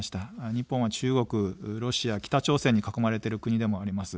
日本は中国、ロシア、北朝鮮に囲まれている国でもあります。